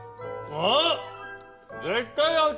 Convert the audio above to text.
あっ！